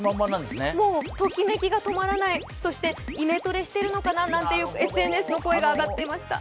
もうトキメキが止まらない、そしてイメトレしてるのかななんていうＳＮＳの声が上がっていました。